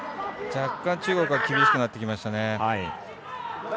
若干、中国は厳しくなってきましたね。